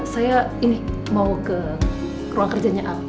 saya ini mau ke ruang kerjanya